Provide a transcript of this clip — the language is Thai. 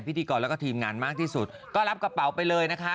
พิธีกรแล้วก็ทีมงานมากที่สุดก็รับกระเป๋าไปเลยนะคะ